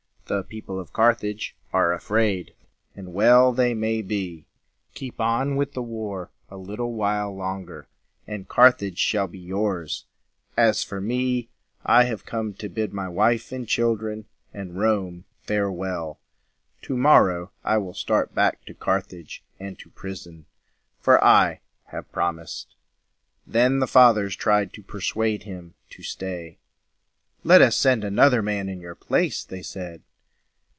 The people of Carthage are afraid, and well they may be. Keep on with the war a little while longer, and Carthage shall be yours. As for me, I have come to bid my wife and children and Rome fare well. To morrow I will start back to Carthage and to prison; for I have promised." Then the Fathers tried to persuade him to stay. "Let us send another man in your place," they said.